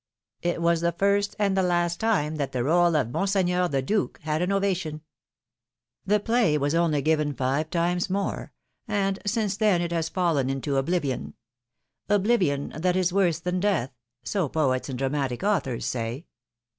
It was the first and the last time that the rdle of Monseigneur, the Duke," had an ovation. The play was only given five times more, and since then it has fallen into oblivion — oblivion that is worse than death, so poets and dramatic authors say.